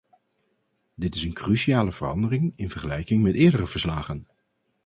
Dit is een cruciale verandering in vergelijking met eerdere verslagen.